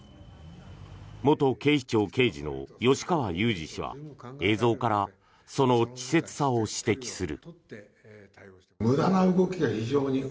元警視庁刑事の吉川祐二氏は映像からその稚拙さを指摘する。